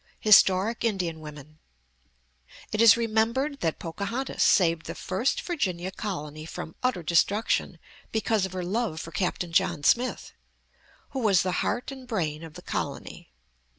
HISTORIC INDIAN WOMEN It is remembered that Pocahontas saved the first Virginia colony from utter destruction because of her love for Captain John Smith, who was the heart and brain of the colony.